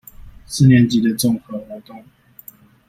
四年級的綜合活動